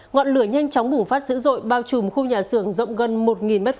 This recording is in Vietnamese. ngọn lửa nhanh chóng bùng phát dữ dội bao trùm khu nhà xưởng rộng gần một m hai